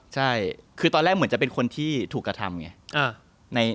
ใช่คือตอนแรกเหมือนจะเป็นคนที่ถูกกระทำไง